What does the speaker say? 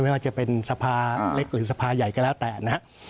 ไม่ว่าจะเป็นสภาเล็กหรือสภาใหญ่ก็แล้วแต่นะครับ